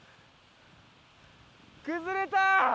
崩れた！